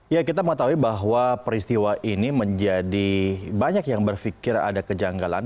ya kita mengetahui bahwa peristiwa ini menjadi banyak yang berpikir ada kejanggalan